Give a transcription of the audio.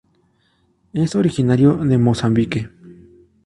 Es originario de Mozambique.